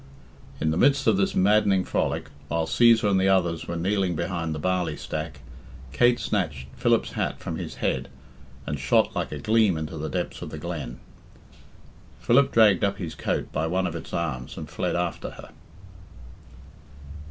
In the midst of this maddening frolic, while Cæsar and the others were kneeling behind the barley stack, Kate snatched Philip's hat from his head and shot like a gleam into the depths of the glen. Philip dragged up his coat by one of its arms and fled after her.